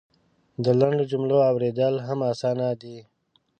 د لنډو جملو اورېدل هم اسانه دی.